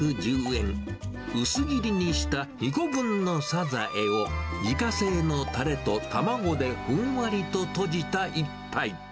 薄切りにした２個分のサザエを、自家製のたれと卵でふんわりととじた一杯。